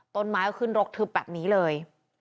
ต้นไม้ก็ขึ้นรกทึบแบบนี้เลย